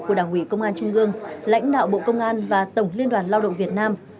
của đảng ủy công an trung ương lãnh đạo bộ công an và tổng liên đoàn lao động việt nam